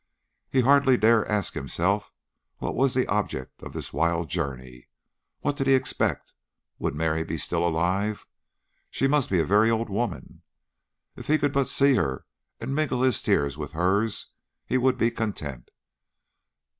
He hardly dared ask himself what was the object of this wild journey? What did he expect? Would Mary be still alive? She must be a very old woman. If he could but see her and mingle his tears with hers he would be content.